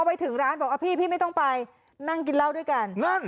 ไปถึงร้านบอกว่าพี่ไม่ต้องไปนั่งกินเหล้าด้วยกันนั่น